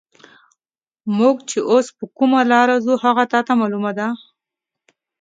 موږ چې اوس پر کومه لار ځو، هغه تا ته معلومه ده؟